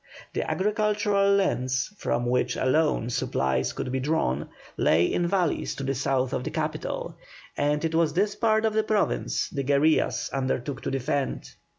The agricultural lands, from which alone supplies could be drawn, lay in valleys to the south of the capital, and it was this part of the Province the guerillas undertook to defend.